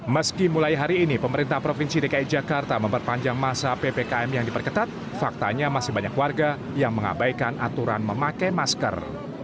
meski mulai hari ini pemerintah provinsi dki jakarta memperpanjang masa ppkm yang diperketat faktanya masih banyak warga yang mengabaikan aturan memakai masker